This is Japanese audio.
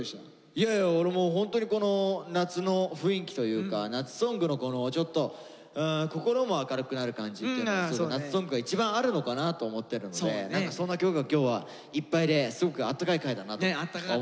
いやいや俺もうホントにこの夏の雰囲気というか夏ソングのこのちょっと心も明るくなる感じって夏ソングが一番あるのかなと思ってるので何かそんな曲が今日はいっぱいですごくあったかい回だなと思いました。